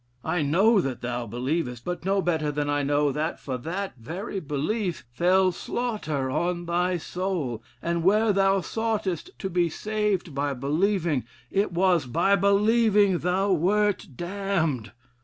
I know that thou believest: but no better than I know, that for that very belief, fell slaughter on thy soul: and where thou soughtest to be saved by believing, it was by believing thou wert damned.'